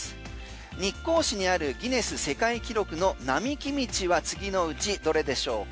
日光市にあるギネス世界記録の並木道は、次のうちどれでしょうか？